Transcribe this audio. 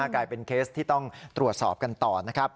กลายเป็นเคสที่ต้องตรวจสอบกันต่อนะครับ